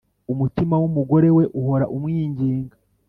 Umutima w’umugore we uhora umwinginga